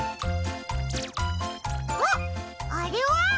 あっあれは？